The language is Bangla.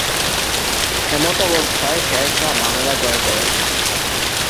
এমতাবস্থায় শেরশাহ বাংলা জয় করেন।